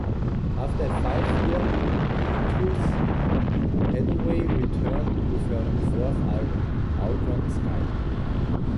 After a five-year hiatus, Hathaway returned with her fourth album "Outrun the Sky".